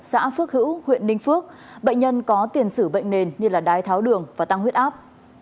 xã phước hữu huyện ninh phước bệnh nhân có tiền sử bệnh nền như đái tháo đường và tăng huyết áp